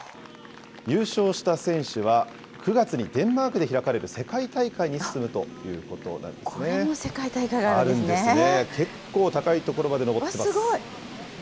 優勝した選手は９月にデンマークで開かれる世界大会に進むというこれも世界大会があるんですあるんですね。